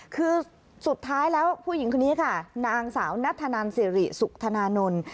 คือสุดท้ายแล้วผู้หญิงคนนี้ค่ะนางสาวนัทธนันสิริสุธนานนท์